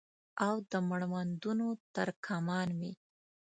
او د مړوندونو تر کمان مې